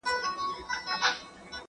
خصوصي سکتور د دولت بار سپکوي.